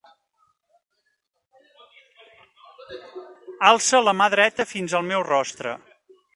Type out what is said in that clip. Alça la mà dreta fins al meu rostre.